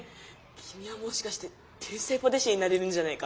きみはもしかして天才パティシエになれるんじゃないか。